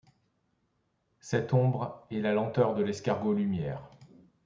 Cette ombre, et la lenteur de l’escargot lumière.